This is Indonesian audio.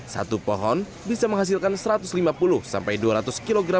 satu pohon bisa menghasilkan satu ratus lima puluh sampai dua ratus kg